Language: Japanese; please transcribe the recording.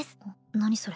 何それ？